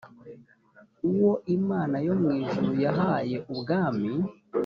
uwo imana yo mu ijuru yahaye ubwami